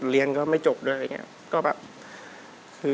เรียนก็ไม่จบด้วยเหนือ